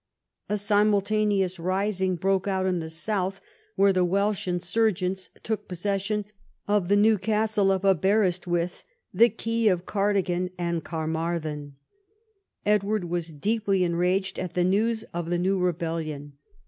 A simultaneoiis rising broke out in the south, where the Welsh insurgents took possession of the new castle of Aberystwith, the key of Cardigan and Carmarthen. Edward was deeply enraged at the news of the new rebellion.